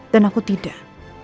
dan aku tidak